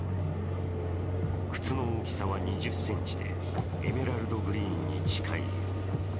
靴の大きさは２０ｃｍで、エメラルドグリーンに近い色。